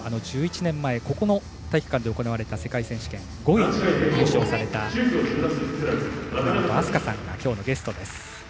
１１年前ここの体育館で行われた世界選手権５位に入賞された寺本明日香さんがきょうのゲストです。